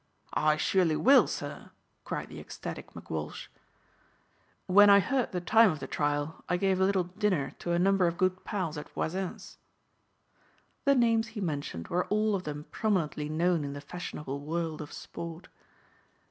"I surely will, sir," cried the ecstatic McWalsh. "When I heard the time of the trial I gave a little dinner to a number of good pals at Voisin's." The names he mentioned were all of them prominently known in the fashionable world of sport.